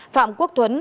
phạm quốc tuấn